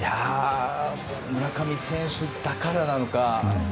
村上選手だからなのか。